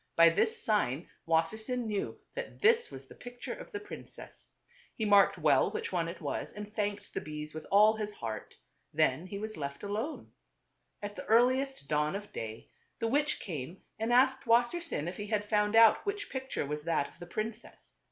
By this sign Wasser sein knew that this was the picture of the prin cess. He marked p well which one it 1 was and thanked the bees with all his heart. Then he was left alone. At the earliest dawn of day the 298 TWO BROTHERS. witch came and asked Wassersein if he had found out which picture was that of the prin cess.